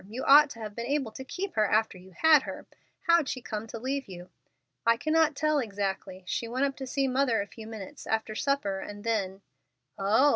You ought to have been able to keep her after you had her. How'd she come to leave you?" "I cannot tell exactly. She went up to see Mother a few minutes after supper, and then——" "Oh!"